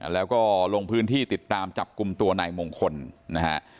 แล้วก็ลงพื้นที่ติดตามจับกลุ่มตัวนายมงคลนะฮะ